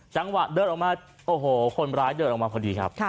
จังหวะเดินออกมาโอ้โหคนร้ายเดินออกมาพอดีครับ